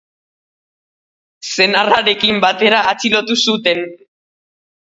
Senarrarekin batera atxilotu zuten.